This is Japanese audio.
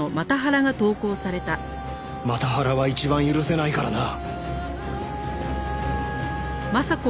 マタハラは一番許せないからな！